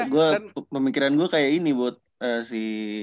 gue pemikiran gue kayak ini buat si